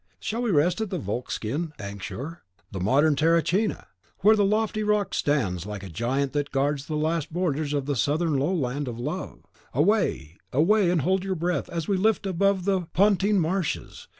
Shall we rest at the Volscian Anxur, the modern Terracina, where the lofty rock stands like the giant that guards the last borders of the southern land of love? Away, away! and hold your breath as we flit above the Pontine Marshes.